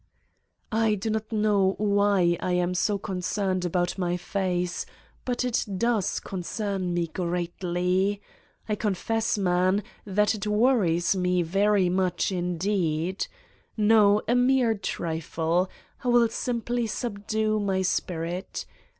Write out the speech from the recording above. I do not know why I am so concerned about my face, but it does concern me greatly. I confess, man, that it worries me very much indeed. No, a mere trifle. I will simply subdue my spirit.